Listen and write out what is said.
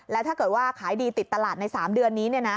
แล้วถ้าเกิดว่าขายดีติดตลาดใน๓เดือนนี้